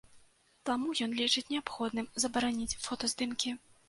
Таму ён лічыць неабходным забараніць фотаздымкі.